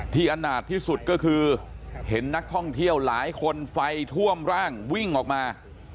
อนาจที่สุดก็คือเห็นนักท่องเที่ยวหลายคนไฟท่วมร่างวิ่งออกมา